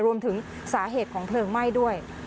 รวมถึงสาเหตุของเพลิงไหม้ด้วย